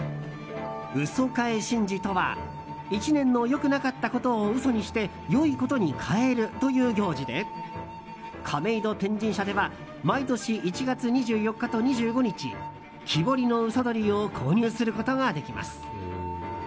鷽替神事とは１年の良くなかったことを嘘にして良いことに替えるという行事で亀戸天神社では毎年１月２４日と２５日木彫りのうそ鳥を購入することができます。